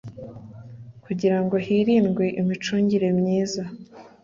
kugira ngo hirindwe imicungire myiza